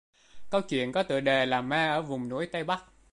Câu chuyện có tựa đề là Ma ở vùng núi Tây Bắc